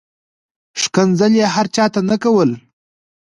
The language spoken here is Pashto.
ښکنځل یې هر چاته نه کول.